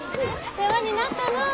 世話になったのう。